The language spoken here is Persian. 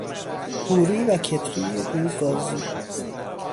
قوری و کتری رو گازی